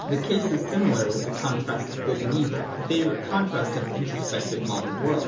The case is similar with the contrast of Good and Evil, — the favourite contrast of the introspective modern world.